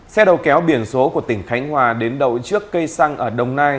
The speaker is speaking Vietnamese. xe đầu kéo biển số của tỉnh khánh hòa đến đầu trước cây xăng ở đồng nai